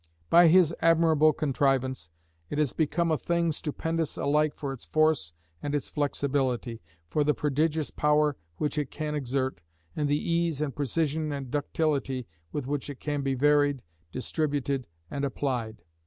By his admirable contrivance, it has become a thing stupendous alike for its force and its flexibility, for the prodigious power which it can exert, and the ease, and precision, and ductility, with which it can be varied, distributed, and applied.